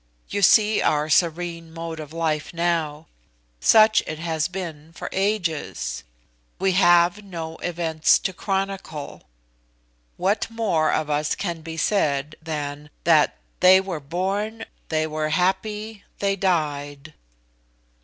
You see our serene mode of life now; such it has been for ages. We have no events to chronicle. What more of us can be said than that, 'they were born, they were happy, they died?